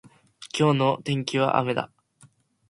今日の天気は雨だ。